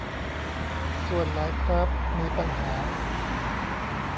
ส่วนหลายคราฟต์มีปัญหา